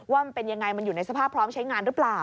ว่ามันเป็นยังไงมันอยู่ในสภาพพร้อมใช้งานหรือเปล่า